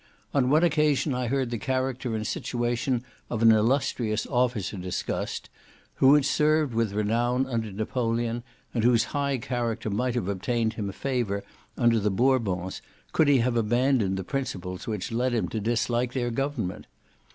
On one occasion I heard the character and situation of an illustrious officer discussed, who had served with renown under Napoleon, and whose high character might have obtained him favour under the Bourbons, could he have abandoned the principles which led him to dislike their government.